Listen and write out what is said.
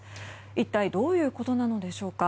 一体どういうことなのでしょうか。